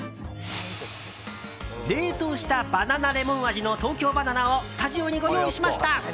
冷凍したバナナレモン味の東京ばな奈をスタジオにご用意しました！